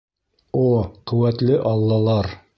О, ҡеүәтле аллалар!